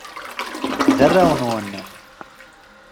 D arraw-nwen.